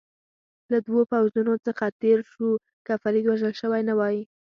له دوو پوځونو څخه تېر شو، که فرید وژل شوی نه وای.